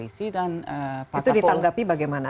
itu ditanggapi bagaimana